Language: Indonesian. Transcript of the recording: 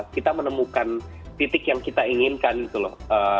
kita menemukan titik yang kita inginkan gitu loh